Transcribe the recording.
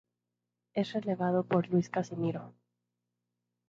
Es relevado por Luis Casimiro.